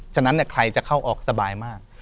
ฉะนั้นใครจะเข้าออกสบายมาก